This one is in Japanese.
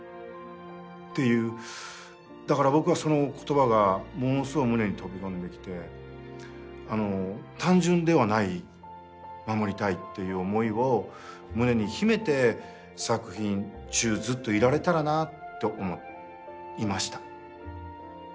だから僕はその言葉がものすごい胸に飛び込んできて単純ではない「守りたい」っていう思いを胸に秘めて作品中ずっといられたらなって思いました。